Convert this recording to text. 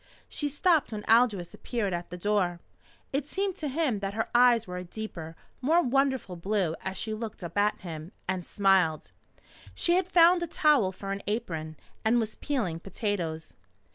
She stopped when Aldous appeared at the door. It seemed to him that her eyes were a deeper, more wonderful blue as she looked up at him, and smiled. She had found a towel for an apron, and was peeling potatoes.